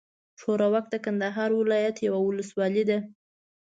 ښوراوک د کندهار ولايت یوه اولسوالي ده.